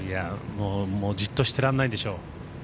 もうじっとしてらんないんでしょう。